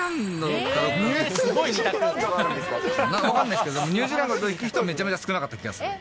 分かんないですけど、ニュージーランド行く人、めちゃめちゃ少なかった気がする。